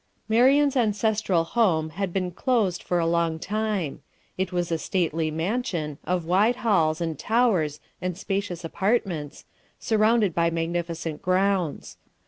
Marian's ancestral home had been closed for a long time. It was a stately mansion, of wide halls and towers and spacious apartments, surrounded by magnificent grounds.